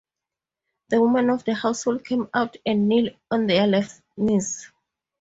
The women of the household come out and kneel on their left knees.